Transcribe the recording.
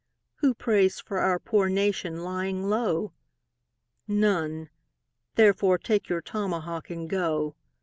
Who prays for our poor nation lying low? None therefore take your tomahawk and go.